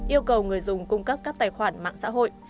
yêu cầu người dùng cung cấp các tài khoản mạng xã hội